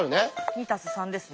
「２＋３」ですね。